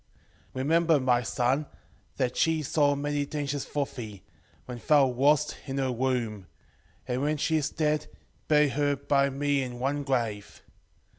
4:4 Remember, my son, that she saw many dangers for thee, when thou wast in her womb: and when she is dead, bury her by me in one grave.